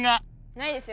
ないですよ